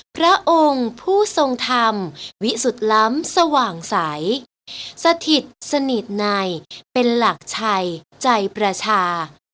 พระองค์ผู้ทรงธรรมวิสุทธิ์ล้ำสว่างใสสถิตสนิทในเป็นหลักชัยใจประชา